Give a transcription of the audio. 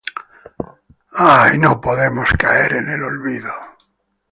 We cannot fail!